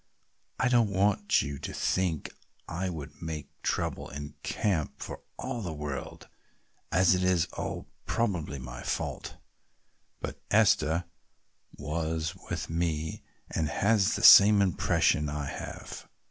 "I don't want you to think I would make trouble in camp for all the world, as it is all probably my fault, but Esther was with me and has the same impression I have.